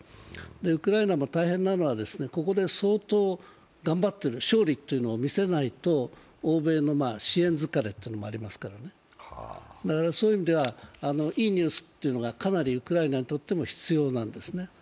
ウクライナも大変なのはここで相当頑張っている、勝利というのを見せないと欧米の支援疲れというのがありますから、そういう意味ではいいニュースというのがかなりウクライナにとっても必要なんですね。